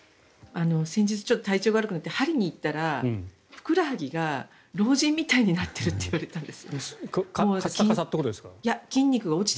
先日、体調が悪くなって鍼に行ったらふくらはぎが老人みたいになっているって言われたんです。